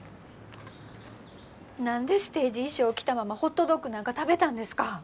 何でステージ衣装着たままホットドッグなんか食べたんですか！